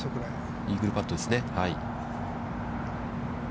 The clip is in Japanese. イーグルパットですね。